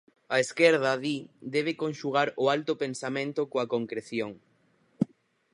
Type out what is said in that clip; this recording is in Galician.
A esquerda, di, debe conxugar o "alto pensamento" coa "concreción".